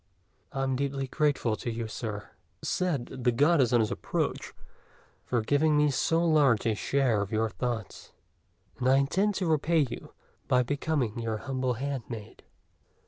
"I am deeply grateful to you, Sir," said the Goddess, on his approach, "for giving me so large a share of your thoughts; and I intend to repay you by becoming your humble handmaid."